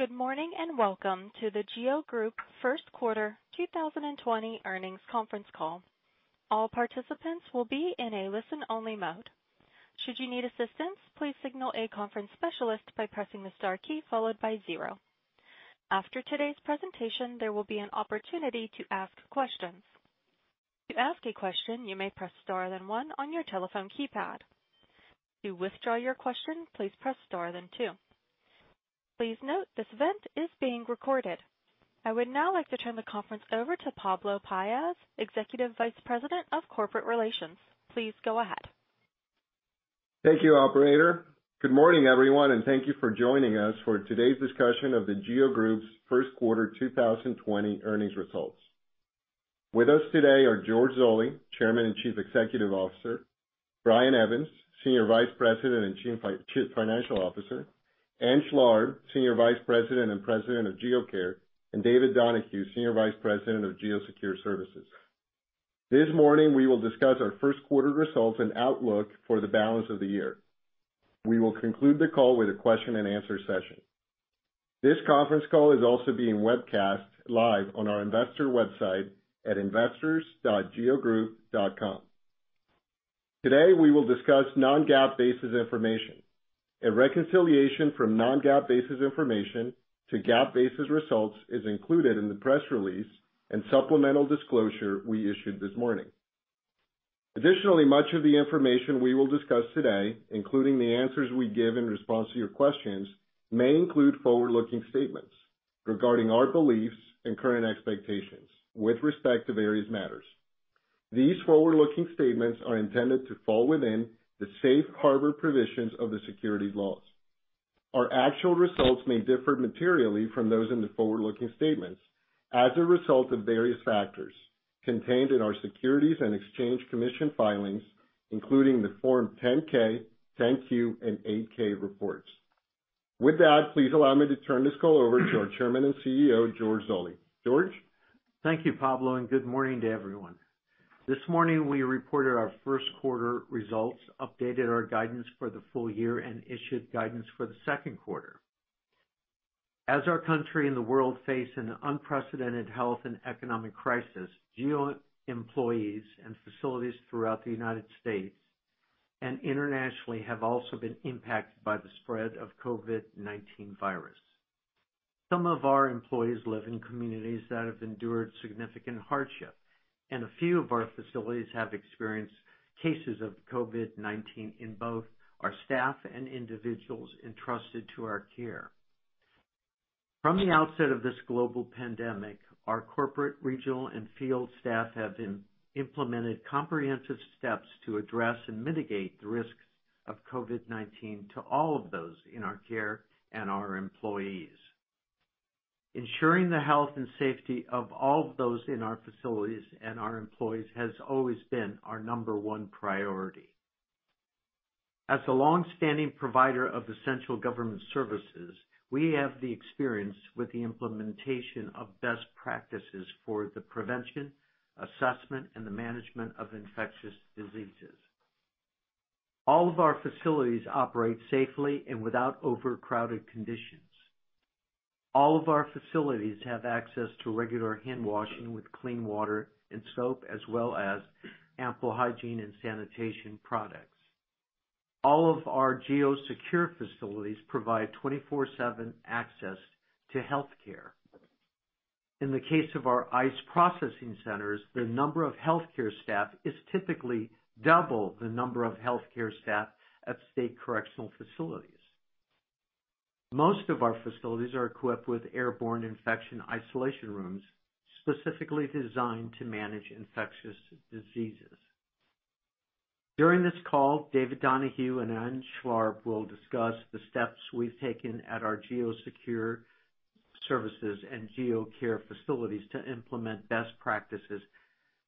Good morning, welcome to The GEO Group first quarter 2020 earnings conference call. All participants will be in a listen-only mode. Should you need assistance, please signal a conference specialist by pressing the star key followed by 0. After today's presentation, there will be an opportunity to ask questions. To ask a question, you may press star, then 1 on your telephone keypad. To withdraw your question, please press star, then 2. Please note this event is being recorded. I would now like to turn the conference over to Pablo Paez, Executive Vice President of Corporate Relations. Please go ahead. Thank you, operator. Good morning, everyone, and thank you for joining us for today's discussion of The GEO Group's first quarter 2020 earnings results. With us today are George Zoley, Chairman and Chief Executive Officer, Brian Evans, Senior Vice President and Chief Financial Officer, Ann Schlarb, Senior Vice President and President of GEO Care, and David Donahue, Senior Vice President of GEO Secure Services. This morning, we will discuss our first quarter results and outlook for the balance of the year. We will conclude the call with a question and answer session. This conference call is also being webcast live on our investor website at investors.geogroup.com. Today, we will discuss non-GAAP basis information. A reconciliation from non-GAAP basis information to GAAP basis results is included in the press release and supplemental disclosure we issued this morning. Additionally, much of the information we will discuss today, including the answers we give in response to your questions, may include forward-looking statements regarding our beliefs and current expectations with respect to various matters. These forward-looking statements are intended to fall within the safe harbor provisions of the securities laws. Our actual results may differ materially from those in the forward-looking statements as a result of various factors contained in our Securities and Exchange Commission filings, including the Form 10-K, 10-Q, and 8-K reports. With that, please allow me to turn this call over to our Chairman and CEO, George Zoley. George? Thank you, Pablo, and good morning to everyone. This morning, we reported our first quarter results, updated our guidance for the full year, and issued guidance for the second quarter. As our country and the world face an unprecedented health and economic crisis, GEO employees and facilities throughout the U.S. and internationally have also been impacted by the spread of COVID-19 virus. Some of our employees live in communities that have endured significant hardship, a few of our facilities have experienced cases of COVID-19 in both our staff and individuals entrusted to our care. From the outset of this global pandemic, our corporate, regional, and field staff have implemented comprehensive steps to address and mitigate the risks of COVID-19 to all of those in our care and our employees. Ensuring the health and safety of all of those in our facilities and our employees has always been our number one priority. As a longstanding provider of essential government services, we have the experience with the implementation of best practices for the prevention, assessment, and the management of infectious diseases. All of our facilities operate safely and without overcrowded conditions. All of our facilities have access to regular handwashing with clean water and soap, as well as ample hygiene and sanitation products. All of our GEO Secure facilities provide 24/7 access to healthcare. In the case of our ICE processing centers, the number of healthcare staff is typically double the number of healthcare staff at state correctional facilities. Most of our facilities are equipped with airborne infection isolation rooms specifically designed to manage infectious diseases. During this call, David Donahue and Ann Schlarb will discuss the steps we've taken at our GEO Secure Services and GEO Care facilities to implement best practices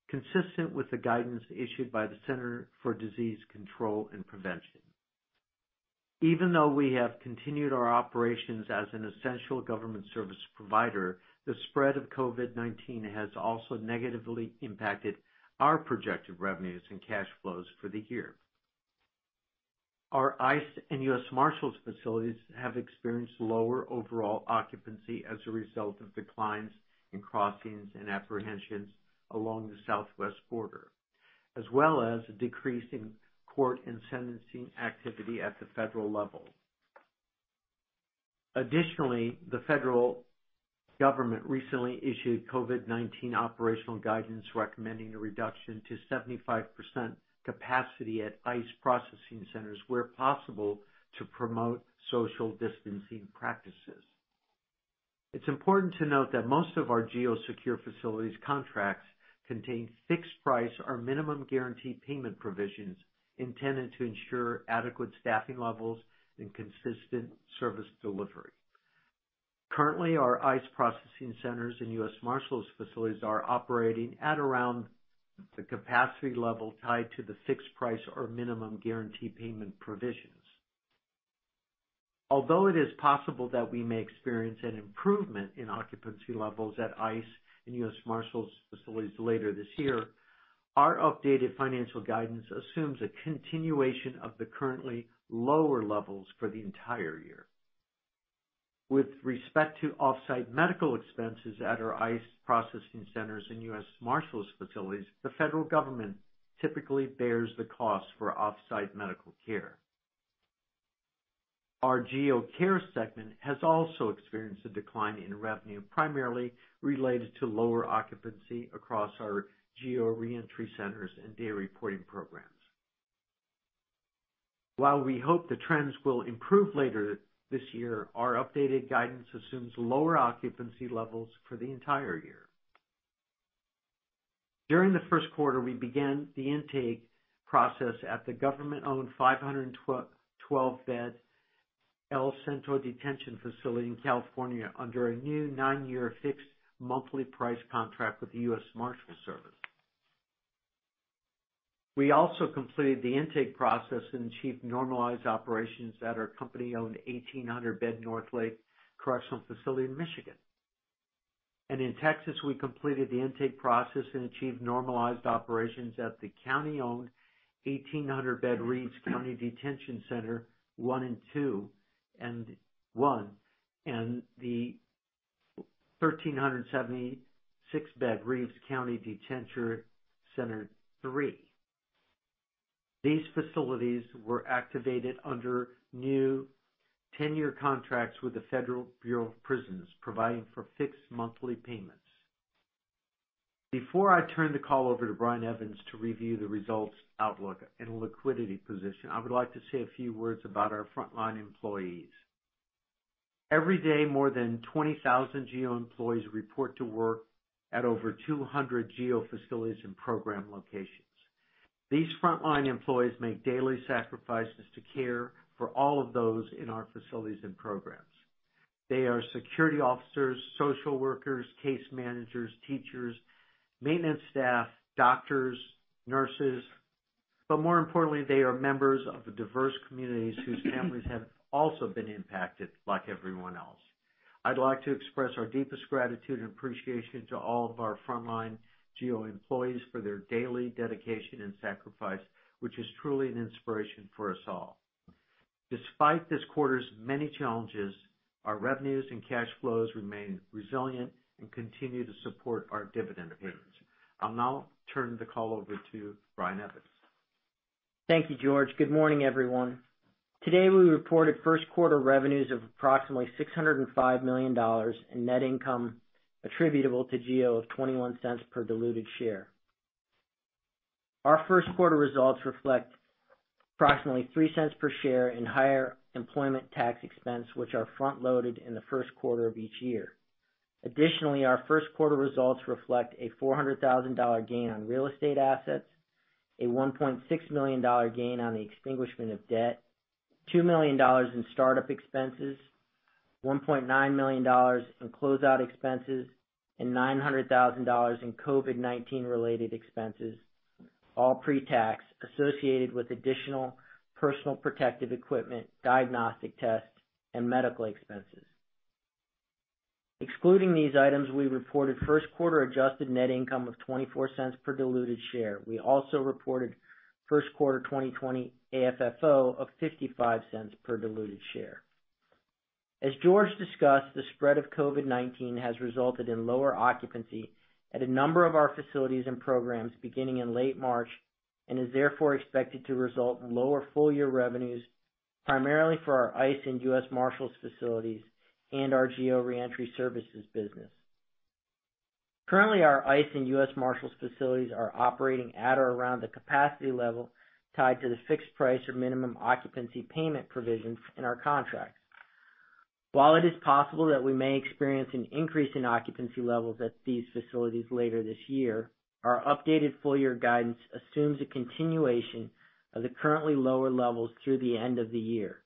consistent with the guidance issued by the Centers for Disease Control and Prevention. Even though we have continued our operations as an essential government service provider, the spread of COVID-19 has also negatively impacted our projected revenues and cash flows for the year. Our ICE and U.S. Marshals facilities have experienced lower overall occupancy as a result of declines in crossings and apprehensions along the southwest border, as well as a decrease in court and sentencing activity at the federal level. Additionally, the federal government recently issued COVID-19 operational guidance recommending a reduction to 75% capacity at ICE processing centers where possible to promote social distancing practices. It's important to note that most of our GEO Secure facilities contracts contain fixed price or minimum guarantee payment provisions intended to ensure adequate staffing levels and consistent service delivery. Our ICE processing centers and U.S. Marshals facilities are operating at around the capacity level tied to the fixed price or minimum guarantee payment provisions. It is possible that we may experience an improvement in occupancy levels at ICE and U.S. Marshals facilities later this year. Our updated financial guidance assumes a continuation of the currently lower levels for the entire year. With respect to off-site medical expenses at our ICE processing centers and U.S. Marshals facilities, the federal government typically bears the cost for off-site medical care. Our GEO Care segment has also experienced a decline in revenue, primarily related to lower occupancy across our GEO Reentry centers and day reporting programs. While we hope the trends will improve later this year, our updated guidance assumes lower occupancy levels for the entire year. During the first quarter, we began the intake process at the government-owned 512-bed El Centro detention facility in California under a new nine-year fixed monthly price contract with the U.S. Marshals Service. We also completed the intake process and achieved normalized operations at our company-owned 1,800-bed North Lake Correctional Facility in Michigan. In Texas, we completed the intake process and achieved normalized operations at the county-owned 1,800-bed Reeves County Detention Center one and two and 1376-bed Reeves County Detention Center three. These facilities were activated under new 10-year contracts with the Federal Bureau of Prisons, providing for fixed monthly payments. Before I turn the call over to Brian Evans to review the results outlook and liquidity position, I would like to say a few words about our frontline employees. Every day, more than 20,000 GEO employees report to work at over 200 GEO facilities and program locations. These frontline employees make daily sacrifices to care for all of those in our facilities and programs. They are security officers, social workers, case managers, teachers, maintenance staff, doctors, nurses, but more importantly, they are members of the diverse communities whose families have also been impacted like everyone else. I'd like to express our deepest gratitude and appreciation to all of our frontline GEO employees for their daily dedication and sacrifice, which is truly an inspiration for us all. Despite this quarter's many challenges, our revenues and cash flows remain resilient and continue to support our dividend payments. I'll now turn the call over to Brian Evans. Thank you, George. Good morning, everyone. Today, we reported first quarter revenues of approximately $605 million and net income attributable to GEO of $0.21 per diluted share. Our first quarter results reflect approximately $0.03 per share in higher employment tax expense, which are front-loaded in the first quarter of each year. Our first quarter results reflect a $400,000 gain on real estate assets, a $1.6 million gain on the extinguishment of debt, $2 million in startup expenses, $1.9 million in closeout expenses, and $900,000 in COVID-19 related expenses, all pre-tax, associated with additional personal protective equipment, diagnostic tests, and medical expenses. Excluding these items, we reported first quarter adjusted net income of $0.24 per diluted share. We also reported first quarter 2020 AFFO of $0.55 per diluted share. As George discussed, the spread of COVID-19 has resulted in lower occupancy at a number of our facilities and programs beginning in late March, and is therefore expected to result in lower full-year revenues, primarily for our ICE and U.S. Marshals facilities and our GEO Reentry Services business. Currently, our ICE and U.S. Marshals facilities are operating at or around the capacity level tied to the fixed price or minimum occupancy payment provisions in our contracts. While it is possible that we may experience an increase in occupancy levels at these facilities later this year, our updated full year guidance assumes a continuation of the currently lower levels through the end of the year,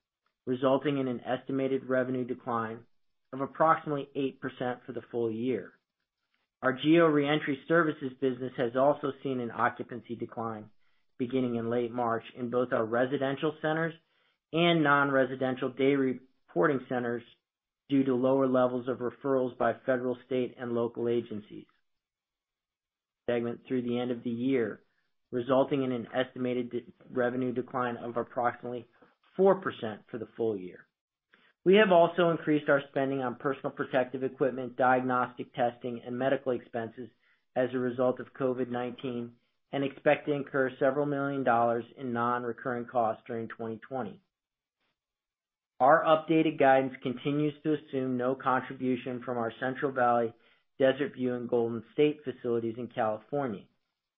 resulting in an estimated revenue decline of approximately 8% for the full year. Our GEO Reentry Services business has also seen an occupancy decline beginning in late March in both our residential centers and non-residential day reporting centers due to lower levels of referrals by federal, state, and local agencies. Segment through the end of the year, resulting in an estimated revenue decline of approximately 4% for the full year. We have also increased our spending on personal protective equipment, diagnostic testing, and medical expenses as a result of COVID-19, and expect to incur several million dollars in non-recurring costs during 2020. Our updated guidance continues to assume no contribution from our Central Valley, Desert View, and Golden State facilities in California,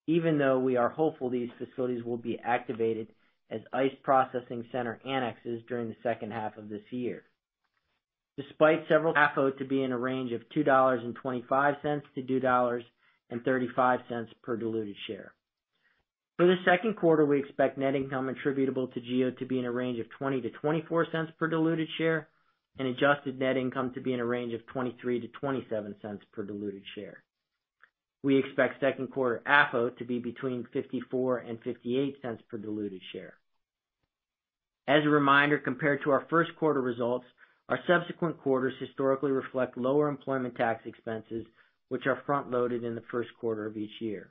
even though we are hopeful these facilities will be activated as ICE processing center annexes during the second half of this year. We expect full-year AFFO to be in a range of $2.25-$2.35 per diluted share. For the second quarter, we expect net income attributable to GEO to be in a range of $0.20-$0.24 per diluted share, and adjusted net income to be in a range of $0.23-$0.27 per diluted share. We expect second quarter AFFO to be between $0.54 and $0.58 per diluted share. As a reminder, compared to our first quarter results, our subsequent quarters historically reflect lower employment tax expenses, which are front-loaded in the first quarter of each year.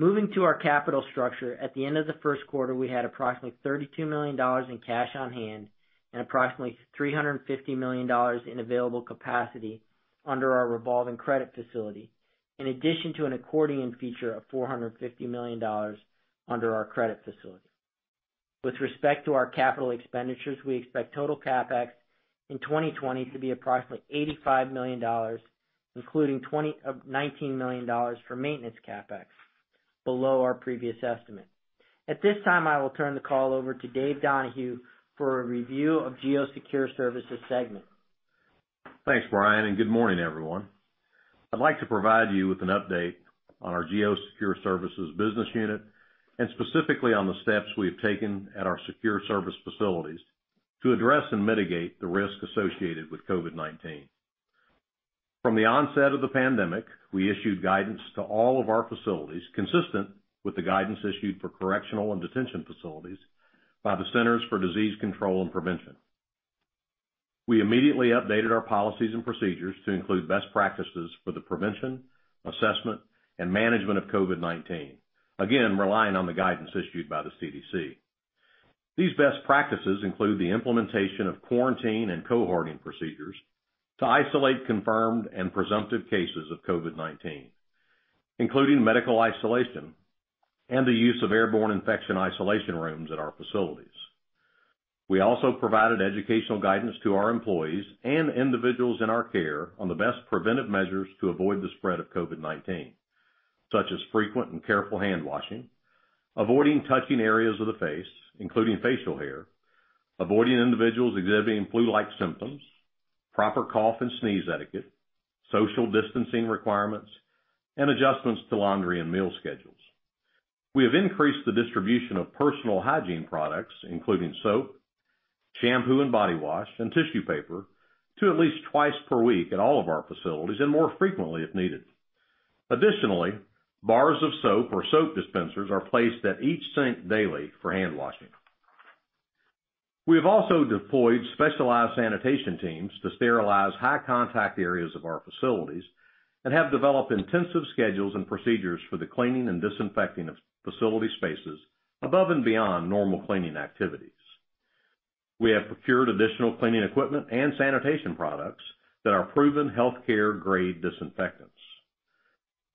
Moving to our capital structure, at the end of the first quarter, we had approximately $32 million in cash on hand and approximately $350 million in available capacity under our revolving credit facility, in addition to an accordion feature of $450 million under our credit facility. With respect to our capital expenditures, we expect total CapEx in 2020 to be approximately $85 million, including $19 million for maintenance CapEx below our previous estimate. At this time, I will turn the call over to Dave Donahue for a review of GEO Secure Services segment. Thanks, Brian. Good morning, everyone. I'd like to provide you with an update on our GEO Secure Services business unit and specifically on the steps we have taken at our secure service facilities to address and mitigate the risk associated with COVID-19. From the onset of the pandemic, we issued guidance to all of our facilities, consistent with the guidance issued for correctional and detention facilities by the Centers for Disease Control and Prevention. We immediately updated our policies and procedures to include best practices for the prevention, assessment, and management of COVID-19, again, relying on the guidance issued by the CDC. These best practices include the implementation of quarantine and cohorting procedures to isolate confirmed and presumptive cases of COVID-19, including medical isolation and the use of airborne infection isolation rooms at our facilities. We also provided educational guidance to our employees and individuals in our care on the best preventive measures to avoid the spread of COVID-19, such as frequent and careful handwashing, avoiding touching areas of the face, including facial hair, avoiding individuals exhibiting flu-like symptoms, proper cough and sneeze etiquette, social distancing requirements, and adjustments to laundry and meal schedules. We have increased the distribution of personal hygiene products, including soap, shampoo and body wash, and tissue paper to at least twice per week at all of our facilities and more frequently if needed. Additionally, bars of soap or soap dispensers are placed at each sink daily for handwashing. We have also deployed specialized sanitation teams to sterilize high-contact areas of our facilities and have developed intensive schedules and procedures for the cleaning and disinfecting of facility spaces above and beyond normal cleaning activities. We have procured additional cleaning equipment and sanitation products that are proven healthcare-grade disinfectants.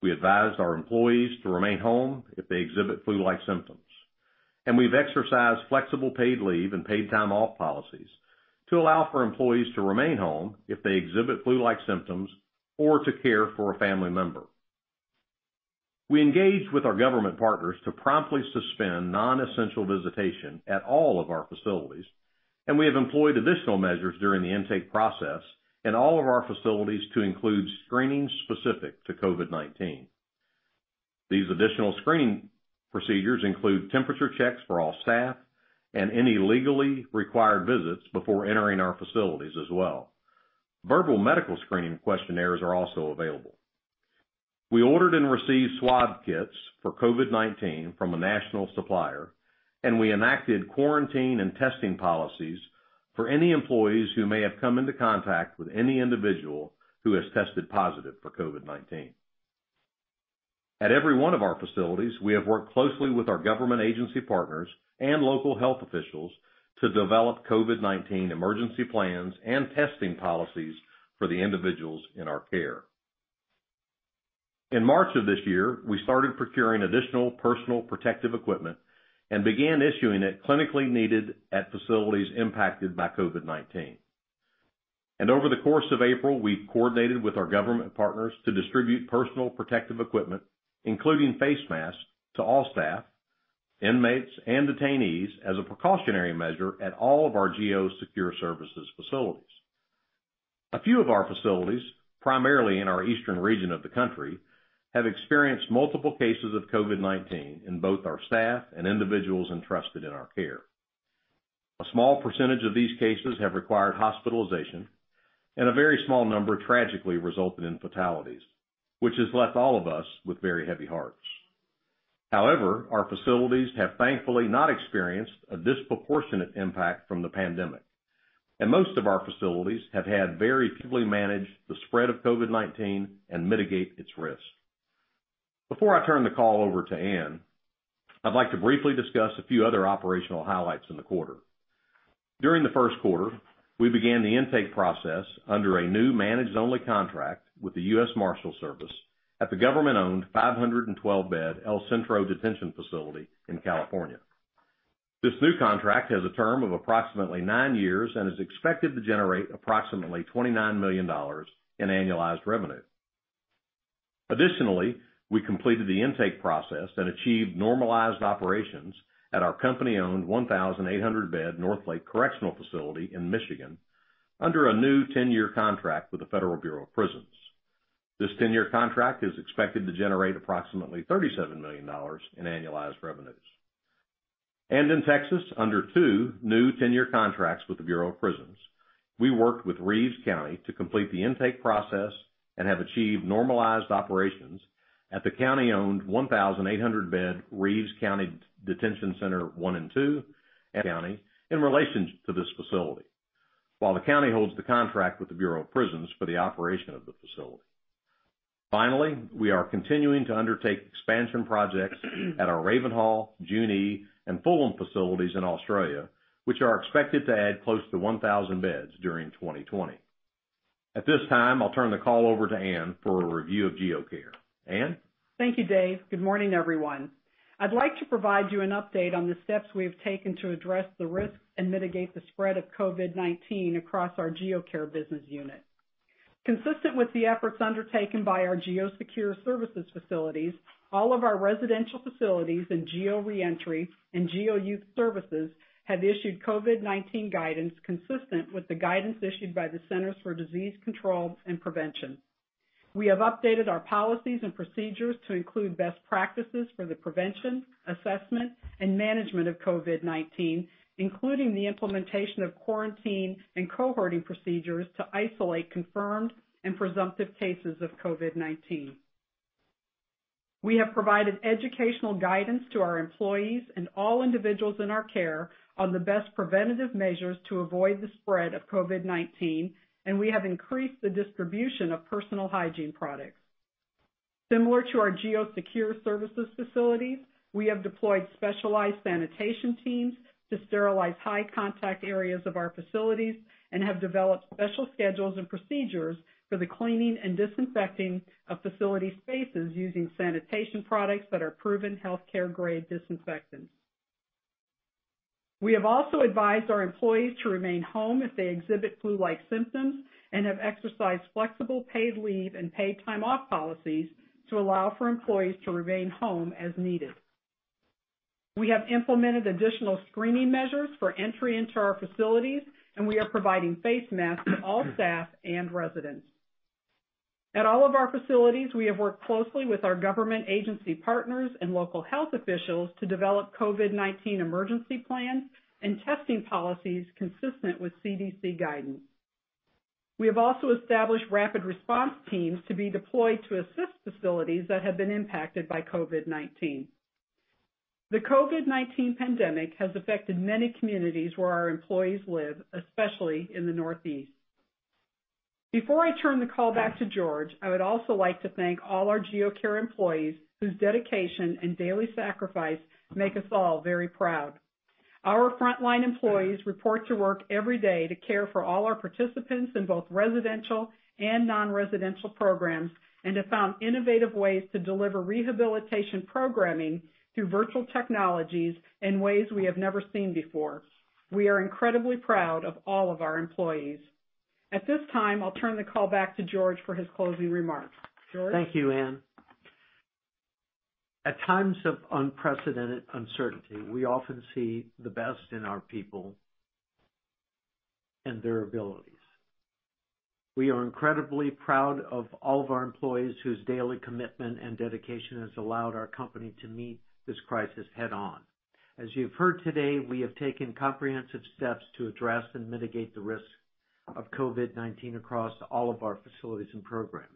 We advise our employees to remain home if they exhibit flu-like symptoms, and we've exercised flexible paid leave and paid time off policies to allow for employees to remain home if they exhibit flu-like symptoms or to care for a family member. We engaged with our government partners to promptly suspend non-essential visitation at all of our facilities, and we have employed additional measures during the intake process in all of our facilities to include screening specific to COVID-19. These additional screening procedures include temperature checks for all staff and any legally required visits before entering our facilities as well. Verbal medical screening questionnaires are also available. We ordered and received swab kits for COVID-19 from a national supplier, and we enacted quarantine and testing policies for any employees who may have come into contact with any individual who has tested positive for COVID-19. At every one of our facilities, we have worked closely with our government agency partners and local health officials to develop COVID-19 emergency plans and testing policies for the individuals in our care. In March of this year, we started procuring additional personal protective equipment and began issuing it clinically needed at facilities impacted by COVID-19. Over the course of April, we've coordinated with our government partners to distribute personal protective equipment, including face masks, to all staff, inmates, and detainees as a precautionary measure at all of our GEO Secure Services facilities. A few of our facilities, primarily in our eastern region of the country, have experienced multiple cases of COVID-19 in both our staff and individuals entrusted in our care. A small percentage of these cases have required hospitalization, and a very small number tragically resulted in fatalities, which has left all of us with very heavy hearts. Our facilities have thankfully not experienced a disproportionate impact from the pandemic, and most of our facilities have managed the spread of COVID-19 and mitigate its risk. Before I turn the call over to Ann, I'd like to briefly discuss a few other operational highlights in the quarter. During the first quarter, we began the intake process under a new managed only contract with the U.S. Marshals Service at the government-owned 512-bed El Centro Detention Facility in California. This new contract has a term of approximately nine years and is expected to generate approximately $29 million in annualized revenue. Additionally, we completed the intake process and achieved normalized operations at our company-owned 1,800-bed North Lake Correctional Facility in Michigan under a new 10-year contract with the Federal Bureau of Prisons. This 10-year contract is expected to generate approximately $37 million in annualized revenues. In Texas, under two new 10-year contracts with the Bureau of Prisons. We worked with Reeves County to complete the intake process and have achieved normalized operations at the county-owned 1,800-bed Reeves County Detention Center one and two, and county in relation to this facility, while the county holds the contract with the Bureau of Prisons for the operation of the facility. Finally, we are continuing to undertake expansion projects at our Ravenhall, Junee, and Fulham facilities in Australia, which are expected to add close to 1,000 beds during 2020. At this time, I'll turn the call over to Ann for a review of GEO Care. Ann? Thank you, Dave. Good morning, everyone. I'd like to provide you an update on the steps we have taken to address the risks and mitigate the spread of COVID-19 across our GEO Care business unit. Consistent with the efforts undertaken by our GEO Secure Services facilities, all of our residential facilities in GEO Reentry and GEO Youth Services have issued COVID-19 guidance consistent with the guidance issued by the Centers for Disease Control and Prevention. We have updated our policies and procedures to include best practices for the prevention, assessment, and management of COVID-19, including the implementation of quarantine and cohorting procedures to isolate confirmed and presumptive cases of COVID-19. We have provided educational guidance to our employees and all individuals in our care on the best preventative measures to avoid the spread of COVID-19, and we have increased the distribution of personal hygiene products. Similar to our GEO Secure Services facilities, we have deployed specialized sanitation teams to sterilize high-contact areas of our facilities and have developed special schedules and procedures for the cleaning and disinfecting of facility spaces using sanitation products that are proven healthcare-grade disinfectants. We have also advised our employees to remain home if they exhibit flu-like symptoms and have exercised flexible paid leave and paid time off policies to allow for employees to remain home as needed. We have implemented additional screening measures for entry into our facilities, and we are providing face masks to all staff and residents. At all of our facilities, we have worked closely with our government agency partners and local health officials to develop COVID-19 emergency plans and testing policies consistent with CDC guidance. We have also established rapid response teams to be deployed to assist facilities that have been impacted by COVID-19. The COVID-19 pandemic has affected many communities where our employees live, especially in the Northeast. Before I turn the call back to George, I would also like to thank all our GEO Care employees whose dedication and daily sacrifice make us all very proud. Our frontline employees report to work every day to care for all our participants in both residential and non-residential programs and have found innovative ways to deliver rehabilitation programming through virtual technologies in ways we have never seen before. We are incredibly proud of all of our employees. At this time, I'll turn the call back to George for his closing remarks. George? Thank you, Ann. At times of unprecedented uncertainty, we often see the best in our people and their abilities. We are incredibly proud of all of our employees, whose daily commitment and dedication has allowed our company to meet this crisis head-on. As you've heard today, we have taken comprehensive steps to address and mitigate the risk of COVID-19 across all of our facilities and programs.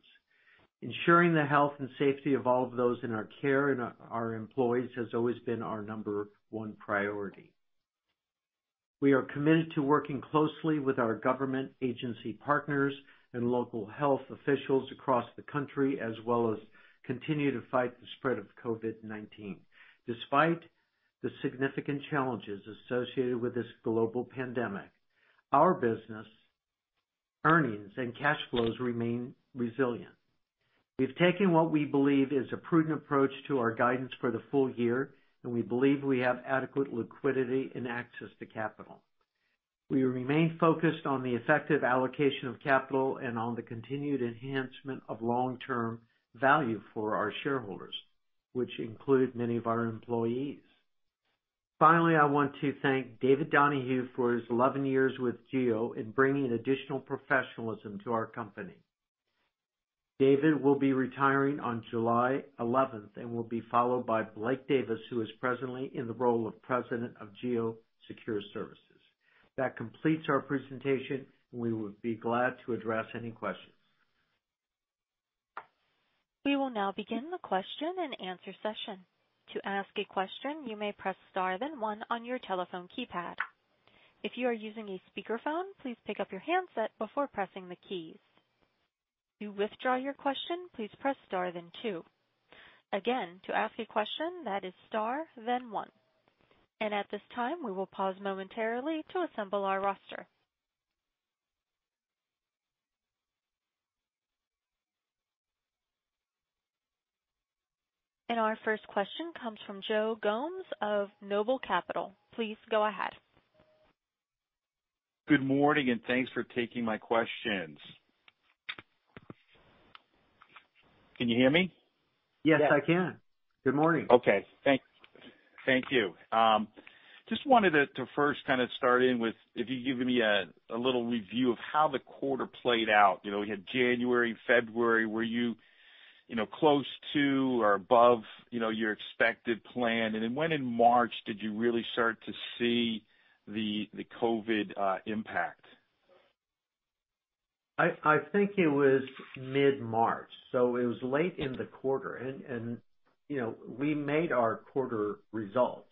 Ensuring the health and safety of all of those in our care and our employees has always been our number one priority. We are committed to working closely with our government agency partners and local health officials across the country, as well as continue to fight the spread of COVID-19. Despite the significant challenges associated with this global pandemic, our business earnings and cash flows remain resilient. We've taken what we believe is a prudent approach to our guidance for the full year, and we believe we have adequate liquidity and access to capital. We remain focused on the effective allocation of capital and on the continued enhancement of long-term value for our shareholders, which include many of our employees. Finally, I want to thank David Donahue for his 11 years with GEO in bringing additional professionalism to our company. David will be retiring on July 11th and will be followed by Blake Davis, who is presently in the role of President of GEO Secure Services. That completes our presentation. We would be glad to address any questions. We will now begin the question and answer session. To ask a question, you may press star then one on your telephone keypad. If you are using a speakerphone, please pick up your handset before pressing the keys. To withdraw your question, please press star then two. Again, to ask a question, that is star then one. At this time, we will pause momentarily to assemble our roster. Our first question comes from Joe Gomes of Noble Capital. Please go ahead. Good morning. Thanks for taking my questions. Can you hear me? Yes, I can. Good morning. Okay. Thank you. Just wanted to first kind of start in with if you could give me a little review of how the quarter played out. We had January, February, where you close to or above your expected plan. Then when in March did you really start to see the COVID-19 impact? I think it was mid-March, it was late in the quarter. We made our quarter results.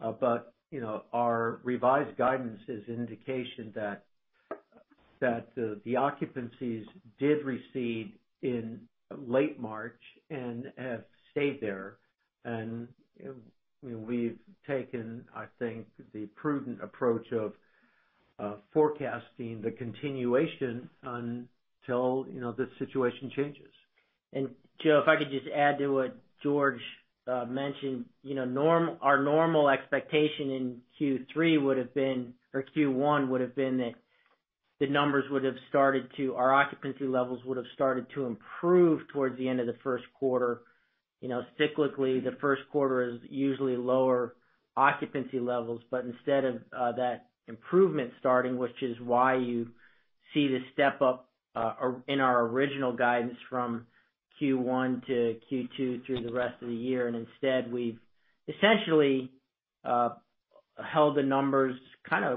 Our revised guidance is indication that the occupancies did recede in late March and have stayed there. We've taken, I think, the prudent approach of forecasting the continuation until the situation changes. Joe, if I could just add to what George mentioned. Our normal expectation in Q3 would have been, or Q1 would have been that our occupancy levels would have started to improve towards the end of the first quarter. Cyclically, the first quarter is usually lower occupancy levels, instead of that improvement starting, which is why you see the step up in our original guidance from Q1 to Q2 through the rest of the year. Instead, we've essentially held the numbers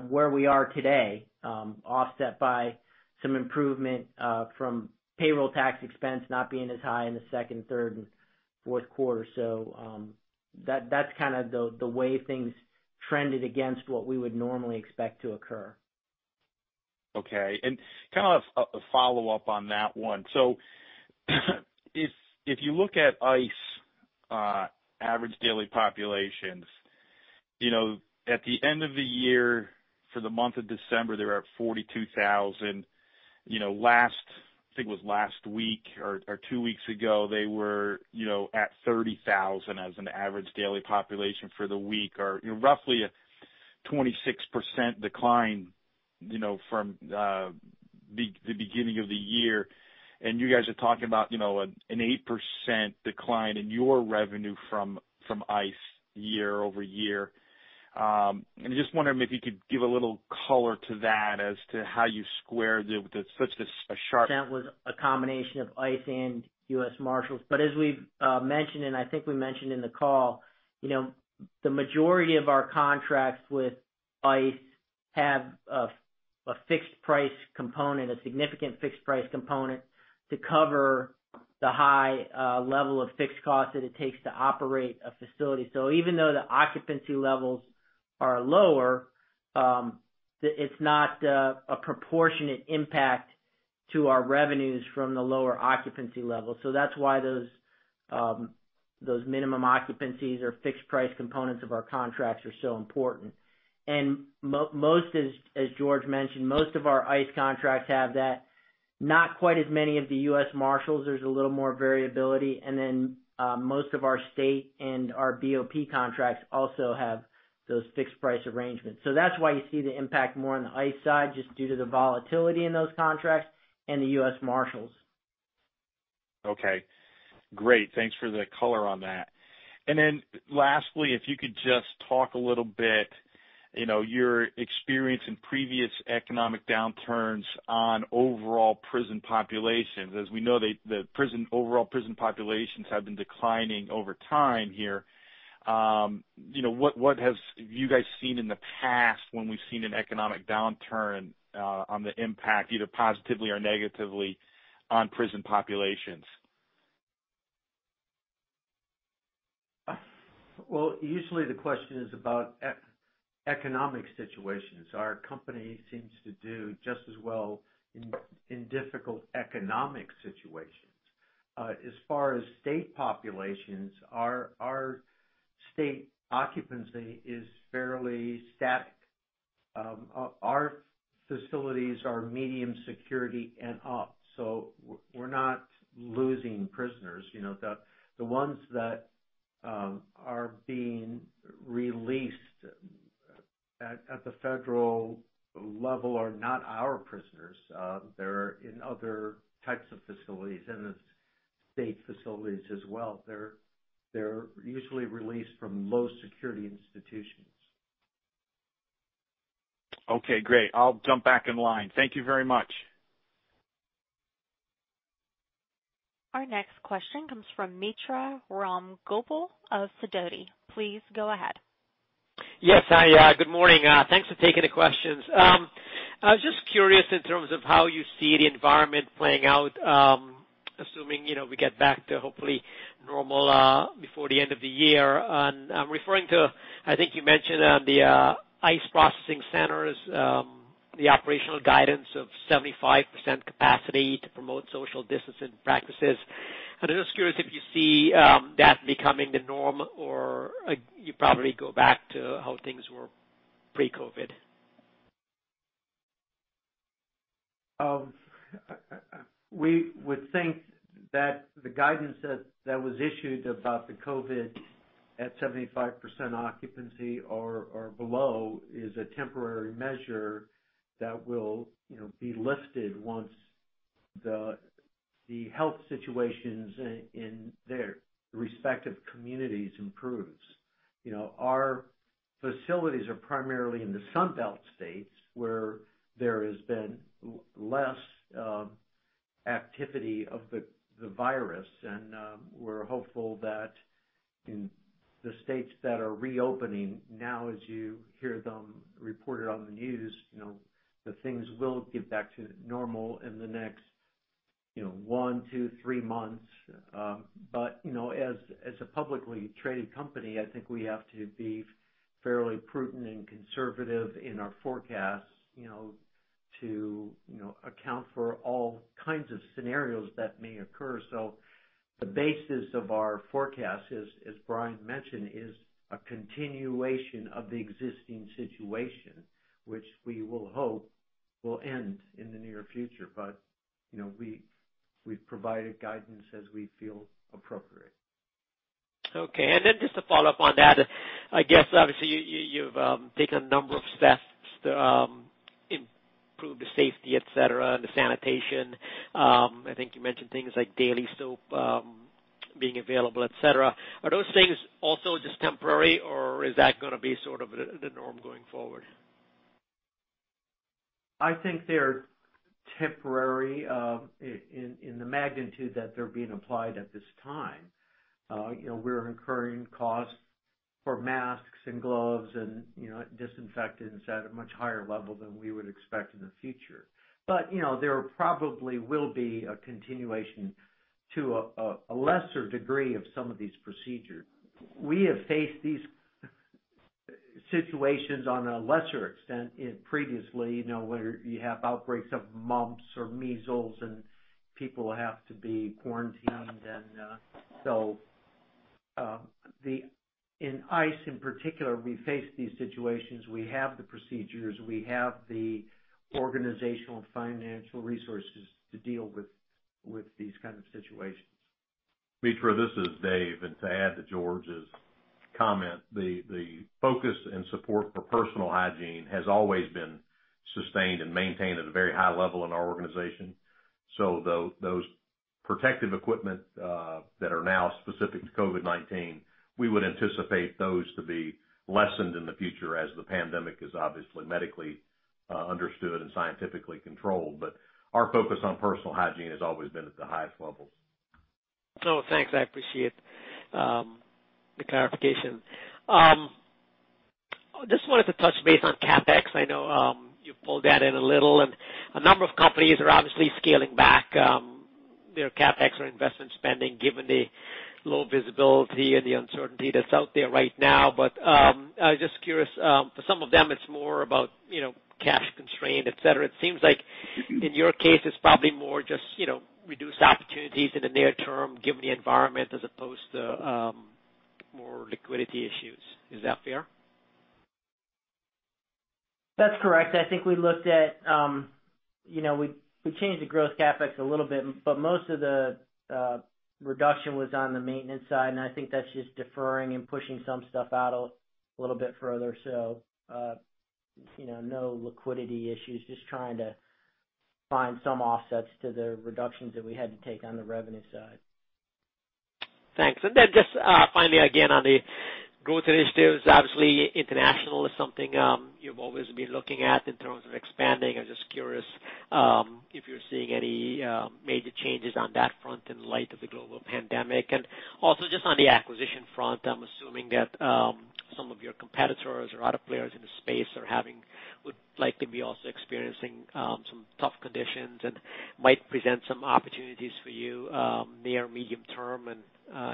where we are today, offset by some improvement from payroll tax expense not being as high in the second, third, and fourth quarter. That's kind of the way things trended against what we would normally expect to occur. Okay. Kind of a follow-up on that one. If you look at ICE average daily populations, at the end of the year for the month of December, they were at 42,000. I think it was last week or two weeks ago, they were at 30,000 as an average daily population for the week, or roughly a 26% decline from the beginning of the year. You guys are talking about an 8% decline in your revenue from ICE year-over-year. Just wondering if you could give a little color to that as to how you square such a sharp- That was a combination of ICE and U.S. Marshals. As we've mentioned, and I think we mentioned in the call, the majority of our contracts with ICE have a fixed price component, a significant fixed price component to cover the high level of fixed costs that it takes to operate a facility. Even though the occupancy levels are lower, it's not a proportionate impact to our revenues from the lower occupancy levels. That's why those minimum occupancies or fixed price components of our contracts are so important. Most, as George mentioned, most of our ICE contracts have that. Not quite as many of the U.S. Marshals, there's a little more variability. Most of our state and our BOP contracts also have those fixed price arrangements. That's why you see the impact more on the ICE side, just due to the volatility in those contracts and the U.S. Marshals. Okay. Great. Thanks for the color on that. Lastly, if you could just talk a little bit, your experience in previous economic downturns on overall prison populations. As we know, the overall prison populations have been declining over time here. What have you guys seen in the past when we've seen an economic downturn on the impact, either positively or negatively on prison populations? Well, usually the question is about economic situations. Our company seems to do just as well in difficult economic situations. As far as state populations, our state occupancy is fairly static. Our facilities are medium security and up, so we're not losing prisoners. The ones that are being released at the federal level are not our prisoners. They're in other types of facilities, and the state facilities as well. They're usually released from low security institutions. Okay, great. I'll jump back in line. Thank you very much. Our next question comes from Mitra Ramgopal of Sidoti. Please go ahead. Yes. Good morning. Thanks for taking the questions. I was just curious in terms of how you see the environment playing out, assuming we get back to hopefully normal before the end of the year. I'm referring to, I think you mentioned the ICE processing centers, the operational guidance of 75% capacity to promote social distancing practices. I'm just curious if you see that becoming the norm or you probably go back to how things were pre-COVID. We would think that the guidance that was issued about the COVID-19 at 75% occupancy or below is a temporary measure that will be lifted once the health situations in their respective communities improves. Our facilities are primarily in the Sun Belt states, where there has been less activity of the virus. We're hopeful that in the states that are reopening now, as you hear them reported on the news, that things will get back to normal in the next one, two, three months. As a publicly traded company, I think we have to be fairly prudent and conservative in our forecasts to account for all kinds of scenarios that may occur. The basis of our forecast, as Brian mentioned, is a continuation of the existing situation, which we will hope will end in the near future. We've provided guidance as we feel appropriate. Okay. Just to follow up on that, I guess obviously you've taken a number of steps to improve the safety, et cetera, and the sanitation. I think you mentioned things like daily soap being available, et cetera. Are those things also just temporary, or is that going to be sort of the norm going forward? I think they're temporary in the magnitude that they're being applied at this time. We're incurring costs for masks and gloves and disinfectants at a much higher level than we would expect in the future. There probably will be a continuation to a lesser degree of some of these procedures. We have faced these situations on a lesser extent previously, where you have outbreaks of mumps or measles and people have to be quarantined. In ICE in particular, we face these situations. We have the procedures. We have the organizational and financial resources to deal with these kind of situations. Mitra, this is Dave. To add to George's comment, the focus and support for personal hygiene has always been sustained and maintained at a very high level in our organization. Those protective equipment that are now specific to COVID-19, we would anticipate those to be lessened in the future as the pandemic is obviously medically understood and scientifically controlled. Our focus on personal hygiene has always been at the highest levels. Thanks. I appreciate the clarification. Just wanted to touch base on CapEx. I know you pulled that in a little, and a number of companies are obviously scaling back their CapEx or investment spending given the low visibility and the uncertainty that's out there right now. I was just curious, for some of them, it's more about cash constraint, et cetera. It seems like in your case, it's probably more just reduced opportunities in the near term given the environment as opposed to more liquidity issues. Is that fair? That's correct. I think we changed the growth CapEx a little bit, but most of the reduction was on the maintenance side, and I think that's just deferring and pushing some stuff out a little bit further. No liquidity issues, just trying to find some offsets to the reductions that we had to take on the revenue side. Thanks. Just finally, again, on the growth initiatives, obviously international is something you've always been looking at in terms of expanding. I'm just curious if you're seeing any major changes on that front in light of the global pandemic. Just on the acquisition front, I'm assuming that some of your competitors or other players in the space would likely be also experiencing some tough conditions and might present some opportunities for you near medium term.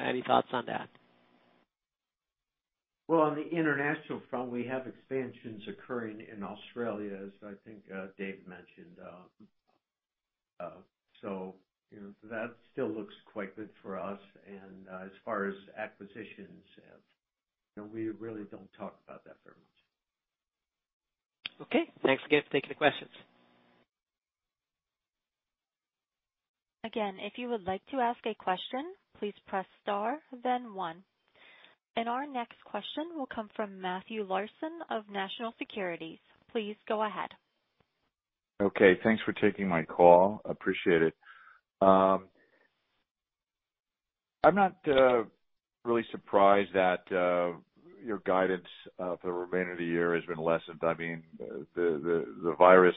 Any thoughts on that? Well, on the international front, we have expansions occurring in Australia, as I think Dave mentioned. That still looks quite good for us. As far as acquisitions, we really don't talk about that very much. Okay. Thanks again for taking the questions. Again, if you would like to ask a question, please press star then one. Our next question will come from Matthew Larson of National Securities. Please go ahead. Okay. Thanks for taking my call. Appreciate it. I'm not really surprised that your guidance for the remainder of the year has been lessened. I mean, the virus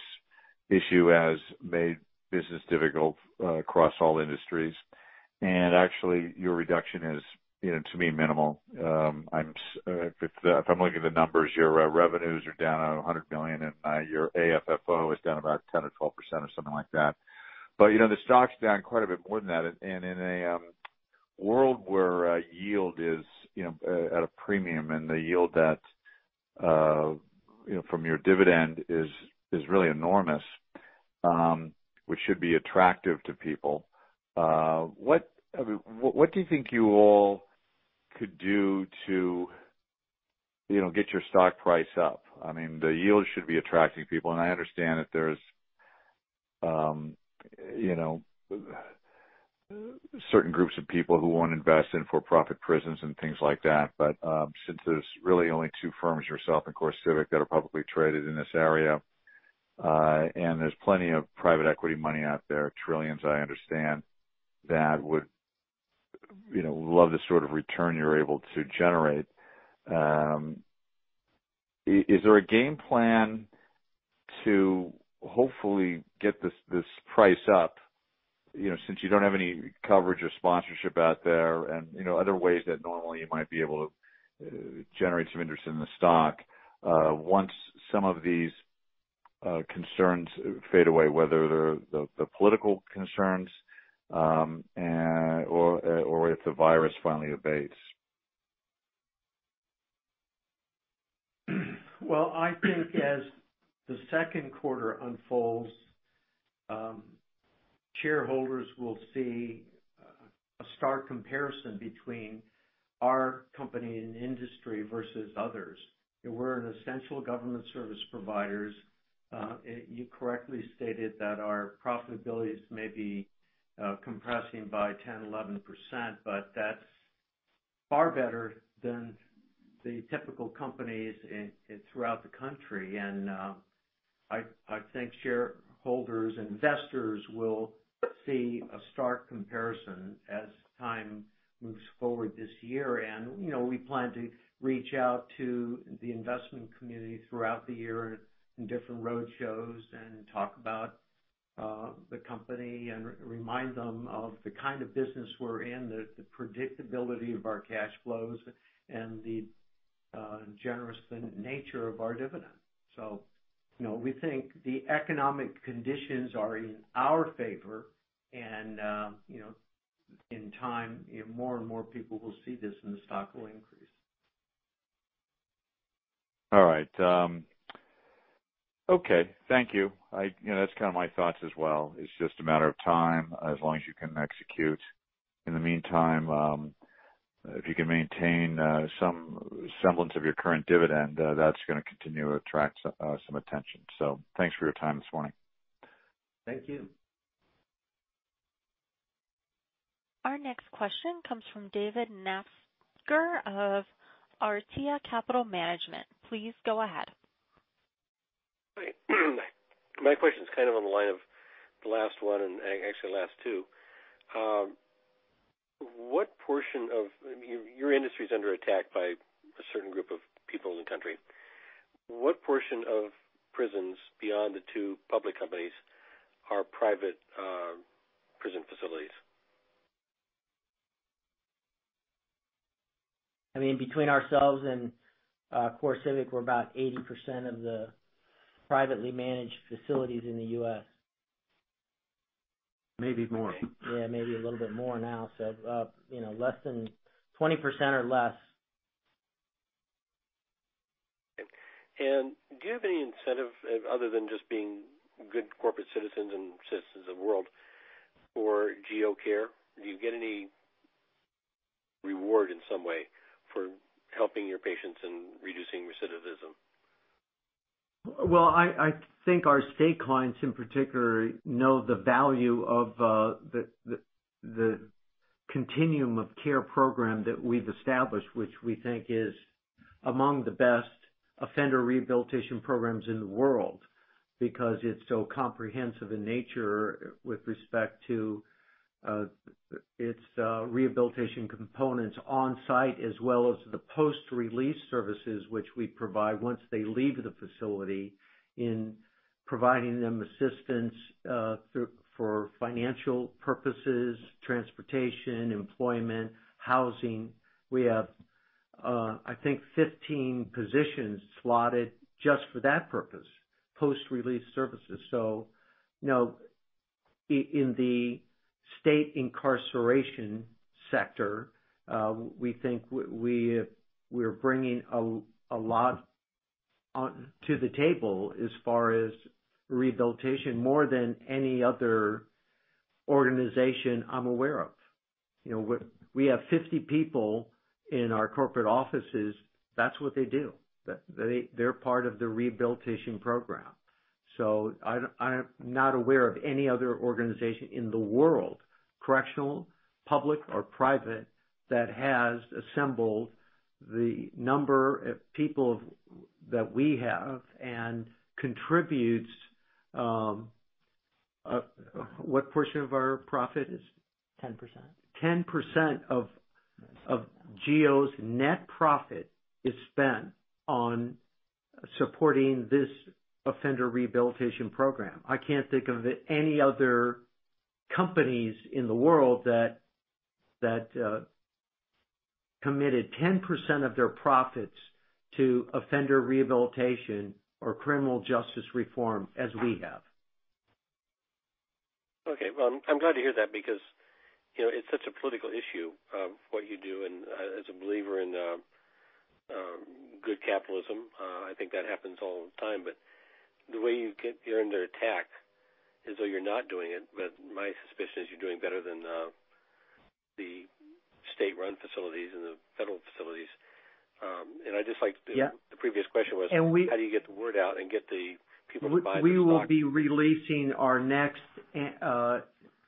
issue has made business difficult across all industries, and actually, your reduction is, to me, minimal. If I'm looking at the numbers, your revenues are down $100 million, and your AFFO is down about 10% or 12% or something like that. The stock's down quite a bit more than that. In a world where yield is at a premium and the yield that from your dividend is really enormous, which should be attractive to people, what do you think you all could do to get your stock price up? I mean, the yield should be attracting people, and I understand that there's certain groups of people who won't invest in for-profit prisons and things like that. Since there's really only two firms, yourself and CoreCivic, that are publicly traded in this area. There's plenty of private equity money out there, $ trillions, I understand, that would love the sort of return you're able to generate. Is there a game plan to hopefully get this price up, since you don't have any coverage or sponsorship out there, and other ways that normally you might be able to generate some interest in the stock once some of these concerns fade away, whether the political concerns or if the virus finally abates? I think as the second quarter unfolds, shareholders will see a stark comparison between our company and industry versus others. We're an essential government service provider. You correctly stated that our profitability is maybe compressing by 10%, 11%, but that's far better than the typical companies throughout the country. I think shareholders, investors will see a stark comparison as time moves forward this year. We plan to reach out to the investment community throughout the year in different roadshows and talk about the company and remind them of the kind of business we're in, the predictability of our cash flows, and the generous nature of our dividend. We think the economic conditions are in our favor, and in time, more and more people will see this and the stock will increase. All right. Okay. Thank you. That's kind of my thoughts as well. It's just a matter of time, as long as you can execute. In the meantime, if you can maintain some semblance of your current dividend, that's going to continue to attract some attention. Thanks for your time this morning. Thank you. Our next question comes from David Nafziger of Artea Capital Management. Please go ahead. Hi. My question's kind of on the line of the last one, and actually the last two. Your industry's under attack by a certain group of people in the country. What portion of prisons beyond the two public companies are private prison facilities? Between ourselves and CoreCivic, we're about 80% of the privately managed facilities in the U.S. Maybe more. Yeah, maybe a little bit more now. 20% or less. Do you have any incentive, other than just being good corporate citizens and citizens of the world, for GEO Care? Do you get any reward in some way for helping your patients and reducing recidivism? Well, I think our state clients in particular know the value of the Continuum of Care Program that we've established, which we think is among the best offender rehabilitation programs in the world because it's so comprehensive in nature with respect to its rehabilitation components on-site as well as the post-release services which we provide once they leave the facility in providing them assistance for financial purposes, transportation, employment, housing. We have, I think, 15 positions slotted just for that purpose, post-release services. In the state incarceration sector, we think we're bringing a lot to the table as far as rehabilitation, more than any other organization I'm aware of. We have 50 people in our corporate offices. That's what they do. They're part of the rehabilitation program. I'm not aware of any other organization in the world, correctional, public, or private, that has assembled the number of people that we have. What portion of our profit is? 10%. 10% of GEO's net profit is spent on supporting this offender rehabilitation program. I can't think of any other companies in the world that committed 10% of their profits to offender rehabilitation or criminal justice reform as we have. Okay. Well, I'm glad to hear that because it's such a political issue of what you do. As a believer in good capitalism, I think that happens all the time. The way you're under attack is though you're not doing it. My suspicion is you're doing better than the state-run facilities and the federal facilities. Yeah. The previous question was. And we- How do you get the word out and get the people to buy the stock? We will be releasing our next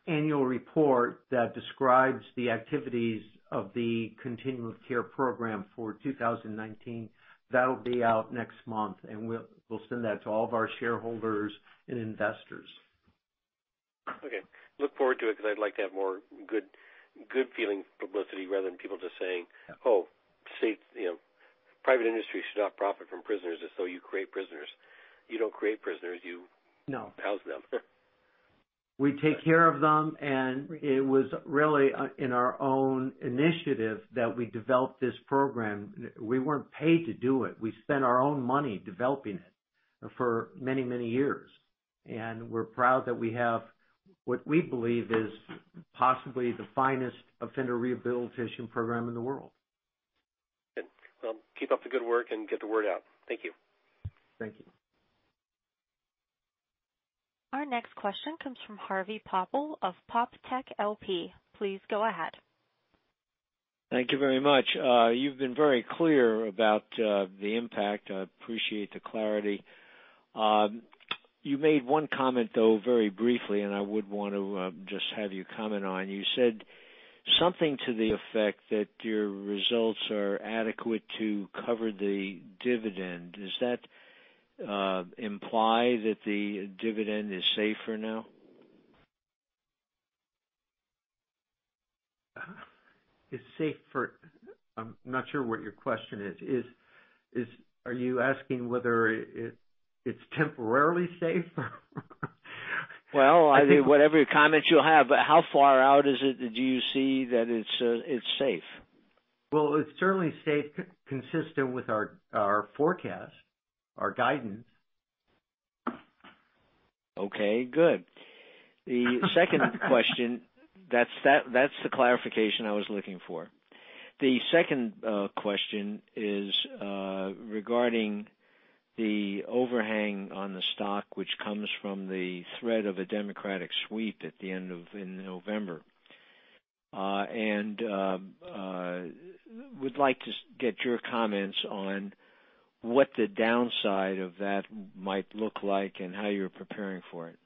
annual report that describes the activities of the Continuum of Care Program for 2019. That'll be out next month, and we'll send that to all of our shareholders and investors. Okay. Look forward to it, because I'd like to have more good feeling publicity rather than people just saying, "Oh, private industry should not profit from prisoners," as though you create prisoners. You don't create prisoners, you- No house them. We take care of them, and it was really in our own initiative that we developed this program. We weren't paid to do it. We spent our own money developing it for many, many years, and we're proud that we have, what we believe is, possibly the finest offender rehabilitation program in the world. Good. Well, keep up the good work and get the word out. Thank you. Thank you. Our next question comes from Harvey Poppel of Poptech, LP. Please go ahead. Thank you very much. You've been very clear about the impact. I appreciate the clarity. You made one comment, though, very briefly, and I would want to just have you comment on. You said something to the effect that your results are adequate to cover the dividend. Does that imply that the dividend is safer now? Is safe for I'm not sure what your question is. Are you asking whether it's temporarily safe? Well, I think whatever comment you have, but how far out is it that you see that it's safe? Well, it's certainly consistent with our forecast, our guidance. Okay, good. That's the clarification I was looking for. The second question is, regarding the overhang on the stock, which comes from the threat of a Democratic sweep at the end of November. Would like to get your comments on what the downside of that might look like and how you're preparing for it.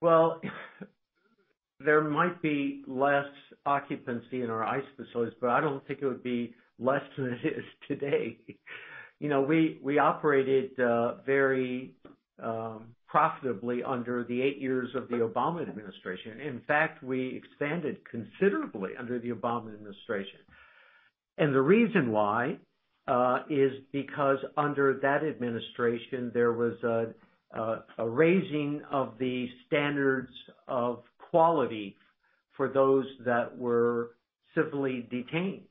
Well, there might be less occupancy in our ICE facilities, but I don't think it would be less than it is today. We operated very profitably under the eight years of the Obama administration. In fact, we expanded considerably under the Obama administration. The reason why, is because under that administration, there was a raising of the standards of quality for those that were civilly detained.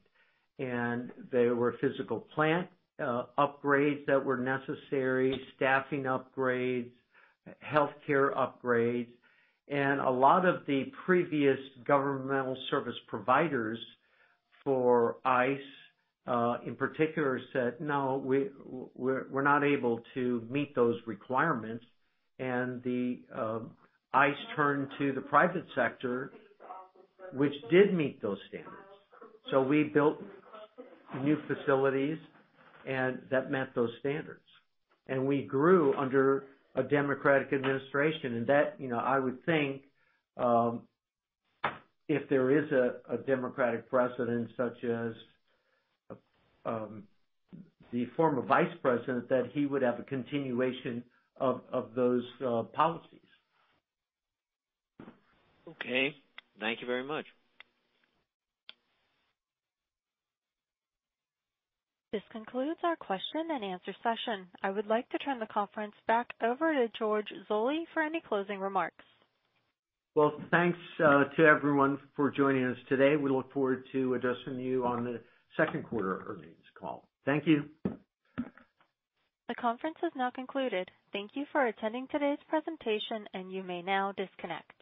There were physical plant upgrades that were necessary, staffing upgrades, healthcare upgrades. A lot of the previous governmental service providers for ICE, in particular, said, "No, we're not able to meet those requirements." The ICE turned to the private sector, which did meet those standards. We built new facilities, and that met those standards. We grew under a Democratic administration, and that, I would think, if there is a Democratic president, such as the former vice president, that he would have a continuation of those policies. Okay. Thank you very much. This concludes our question and answer session. I would like to turn the conference back over to George Zoley for any closing remarks. Thanks to everyone for joining us today. We look forward to addressing you on the second quarter earnings call. Thank you. The conference has now concluded. Thank you for attending today's presentation, and you may now disconnect.